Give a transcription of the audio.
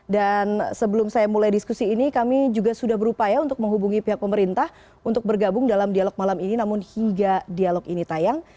dan sebelum saya mulai diskusi ini kami juga sudah berupaya untuk menghubungi pihak pemerintah untuk bergabung dalam dialog malam ini namun hingga dialog ini tayang